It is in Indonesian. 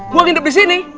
gua nginep disini